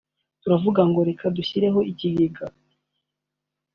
turavuga ngo reka dushyireho ikigega